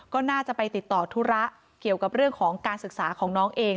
ก็น่าจะไปติดต่อธุระเกี่ยวกับเรื่องของการศึกษาของน้องเอง